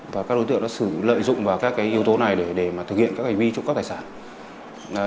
và các đối tượng đã xử lợi dụng vào các yếu tố này để thực hiện các hành vi chống cắt đài sản